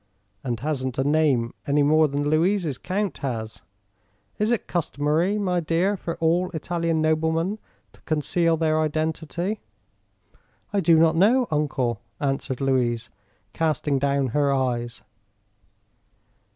"And hasn't a name, any more than Louise's count has. Is it customary, my dear, for all Italian noblemen to conceal their identity?" "I do not know, Uncle," answered Louise, casting down her eyes.